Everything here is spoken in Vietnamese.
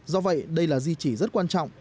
do vậy đây là di chỉ rất quan trọng